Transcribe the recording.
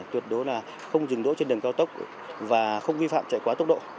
tuyệt đối là không dừng đỗ trên đường cao tốc và không vi phạm chạy quá tốc độ